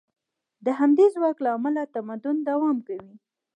د همدې ځواک له امله تمدن دوام کوي.